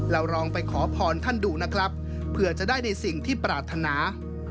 ลองไปขอพรท่านดูนะครับเผื่อจะได้ในสิ่งที่ปรารถนา